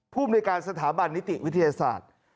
ภูมิในการสถาบันนิติวิทยาศาสตร์